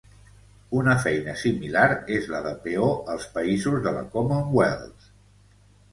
Una feina similar és la de peó als països de la Commonwealth.